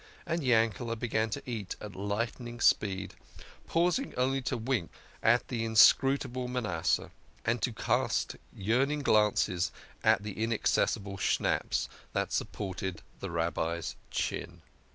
And Yanked began to eat at lightning speed, pausing only to wink at the inscrutable Manasseh ; and to cast yearning glances at the inaccessible schnapps that supported the Rabbi's chin.